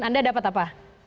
anda dapat apa